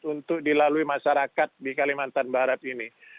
untuk dilalui masyarakat di kalimantan barat ini